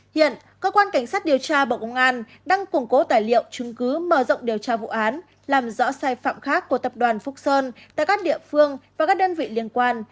hiện cơ quan cảnh sát điều tra bộ công an đang củng cố tài liệu chứng cứ mở rộng điều tra vụ án làm rõ sai phạm khác của tập đoàn phúc sơn tại các địa phương và các đơn vị liên quan